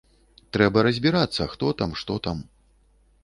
Трэба разбірацца, хто там, што там.